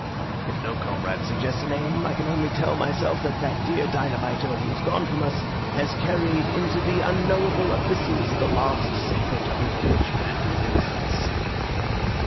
If no comrade suggests a name, I can only tell myself that that dear dynamiter, who is gone from us, has carried into the unknowable abysses the last secret of his virtue and his innocence."